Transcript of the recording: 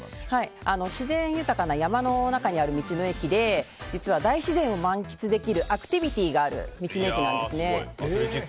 自然豊かな山の中にある道の駅で実は大自然を満喫できるアクティビティーがある道の駅なんです。